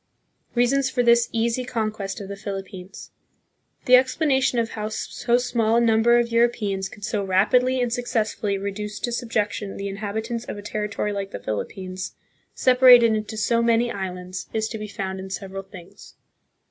Reasons for this Easy Conquest of the Philip pines. The explana tion of how so small a number of Europeans could so rapidly and suc cessfully reduce to sub jection the inhabitants of a territory like thePhil ippines, separated into so many different islands, is to be found in several things.